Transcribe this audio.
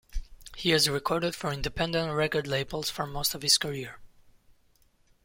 He has recorded for independent record labels for most of his career.